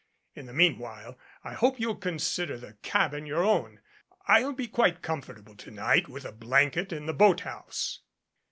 In the meanwhile I hope you'll consider the cabin your own. I'll be quite comfortable to night with a blanket in the boat house."